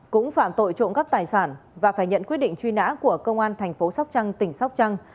cũng phạm tội trộm cắp tài sản và phải nhận quyết định truy nã của công an thành phố sóc trăng tỉnh sóc trăng